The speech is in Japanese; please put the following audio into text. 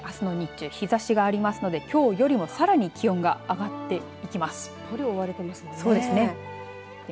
この空気に加えてあすの日中日ざしがありますのできょうよりもさらに気温が上がっていきます。